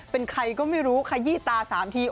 เป็นใครก็ไม่รู้ขยี้ตา๓ที